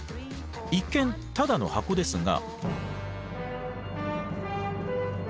一見ただの箱ですが。